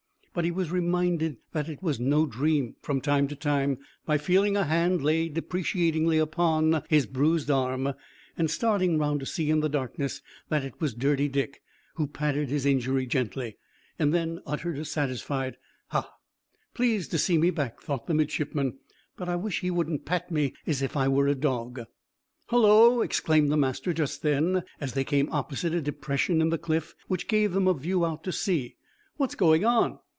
But he was reminded that it was no dream, from time to time, by feeling a hand laid deprecatingly upon his bruised arm, and starting round to see in the darkness that it was Dirty Dick, who patted his injury gently, and then uttered a satisfied "Hah!" "Pleased to see me back," thought the midshipman, "but I wish he wouldn't pat me as if I were a dog." "Hullo!" exclaimed the master just then, as they came opposite a depression in the cliff which gave them a view out to sea. "What's going on?